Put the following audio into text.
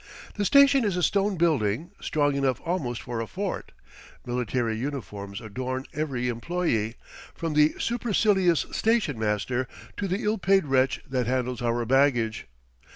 The station is a stone building, strong enough almost for a fort. Military uniforms adorn every employee, from the supercilious station master to the ill paid wretch that handles our baggage.